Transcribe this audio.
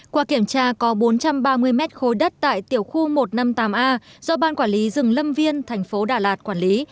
qua kiểm tra có bốn trăm ba mươi mét khối đất tại tiểu khu một trăm năm mươi tám a do ban quản lý rừng lâm viên thành phố đà lạt quản lý